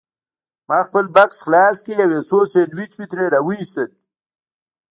ما خپل بکس خلاص کړ او یو څو سنډوېچ مې ترې راوایستل.